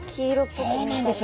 そうなんです。